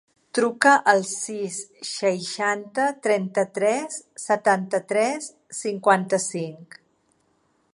Truca al sis, seixanta, trenta-tres, setanta-tres, cinquanta-cinc.